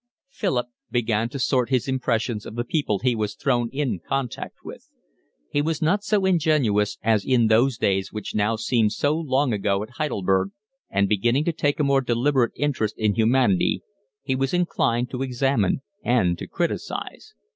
Philip began to sort his impressions of the people he was thrown in contact with. He was not so ingenuous as in those days which now seemed so long ago at Heidelberg, and, beginning to take a more deliberate interest in humanity, he was inclined to examine and to criticise.